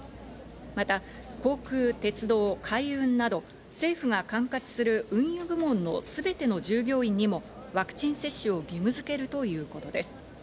また、航空、鉄道、海運など政府が管轄する運輸部門のすべての従業員にもワクチン接種を義務づけるということです。